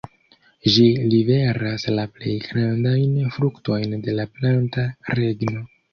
Ĝi liveras la plej grandajn fruktojn de la planta regno.